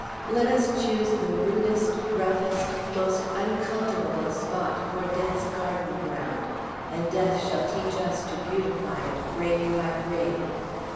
Let us choose the rudest, roughest, most uncultivable spot, for Death's garden ground; and Death shall teach us to beautify it, grave by grave.